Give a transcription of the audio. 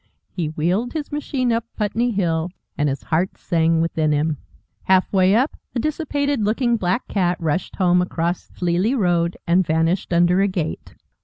He wheeled his machine up Putney Hill, and his heart sang within him. Halfway up, a dissipated looking black cat rushed home across the road and vanished under a gate.